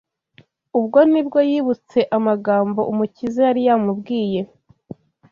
ubwo ni bwo yibutse amagambo Umukiza yari yamubwiye